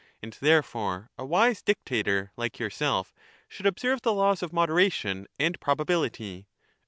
And therefore a wise dictator, like yourself, should observe the laws of moderation and proba bility.